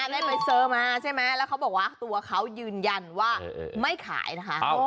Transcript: ได้ใบเซอร์มาใช่ไหมแล้วเขาบอกว่าตัวเขายืนยันว่าไม่ขายนะคะ